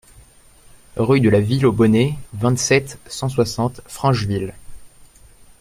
Rue de la Ville Aux Bonnets, vingt-sept, cent soixante Francheville